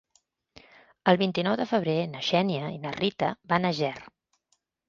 El vint-i-nou de febrer na Xènia i na Rita van a Ger.